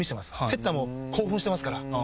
セッターも興奮してますから。